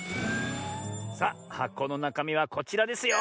さあはこのなかみはこちらですよ！